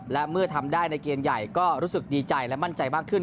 และเมื่อทำได้ในเกมใหญ่ก็รู้สึกดีใจและมั่นใจมากขึ้น